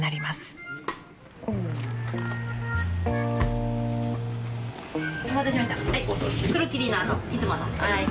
・お待たせしました。